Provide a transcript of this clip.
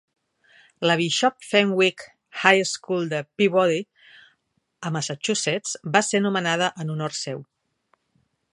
La Bishop Fenwick High School de Peabody a Massachusetts va ser nomenada en honor seu.